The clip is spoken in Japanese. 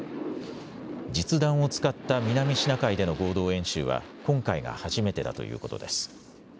実弾を使った南シナ海での合同演習は今回が初めてだということです。